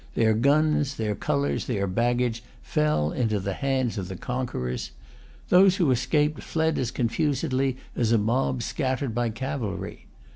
Their guns, their colors, their baggage, fell into the hands of the conquerors. Those who escaped fled as confusedly as a mob scattered by cavalry.